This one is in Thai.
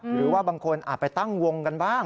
หรือว่าบางคนอาจไปตั้งวงกันบ้าง